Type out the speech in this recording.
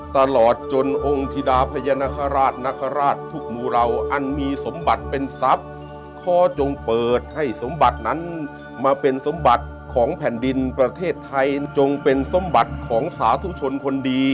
ตลอดจนองค์ธรรมสมบัติที่ที่มีสมบัติเป็นทรัพย์ข้อจงเปิดให้สมบัตินั้นมาเป็นสมบัติของแผ่นดินประเทศไทยจงเป็นสมบัติของสาวโยคคนสมุด